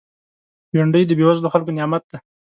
بېنډۍ د بېوزلو خلکو نعمت دی